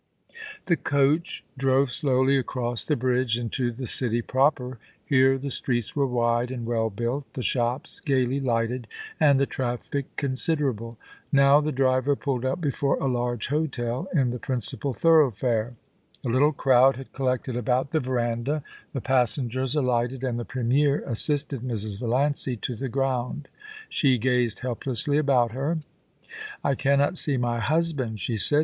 The coach drove slowly across the bridge into the city proper. Here the streets were wide and well built, the shops gaily lighted, and the traffic considerable. Now the driver pulled up before a large hotel in the principal thoroughfare. A little crowd had collected about the verandah ; the passengers alighted, and the Premier assisted Mrs. Valiancy to the ground. She gazed helplessly about her. * I cannot see my husband,' she said.